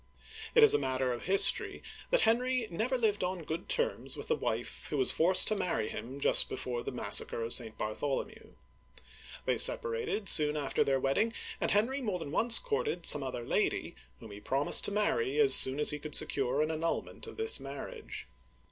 ^ It is a matter of history that Henry never lived on good terms with the wife who was forced to marry him just before the massacre of St. Bartholomew. They separated soon after their wedding, and Henry more than once courted some other lady, whom he promised to marry as soon as he could secure an annulment of this marriage.